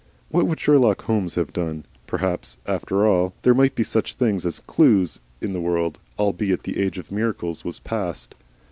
What would Sherlock Holmes have done? Perhaps, after all, there might be such things as clues in the world, albeit the age of miracles was past.